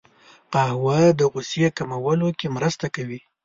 قهوه د غوسې کمولو کې مرسته کوي